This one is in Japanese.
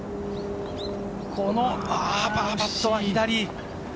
このパーパットは左。